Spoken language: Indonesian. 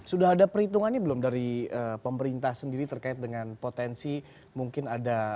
sudah ada perhitungannya belum dari pemerintah sendiri terkait dengan potensi mungkin ada